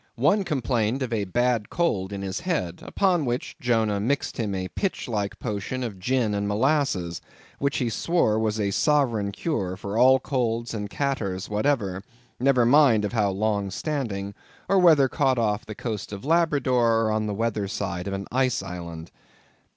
One complained of a bad cold in his head, upon which Jonah mixed him a pitch like potion of gin and molasses, which he swore was a sovereign cure for all colds and catarrhs whatsoever, never mind of how long standing, or whether caught off the coast of Labrador, or on the weather side of an ice island.